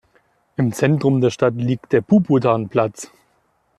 Im Zentrum der Stadt liegt der "Puputan-Platz".